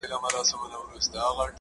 زه لکه چي ژونده ډېر کلونه پوروړی یم -